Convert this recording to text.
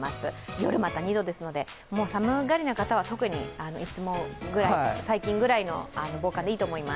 夜また２度ですので、寒がりな方は特にいつもぐらい、最近ぐらいの防寒でいいと思います。